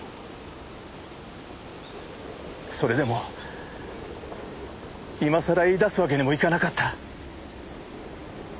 それでも今さら言い出すわけにもいかなかった。